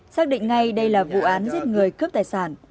xác định ngay đây là vụ án giết người cướp tài sản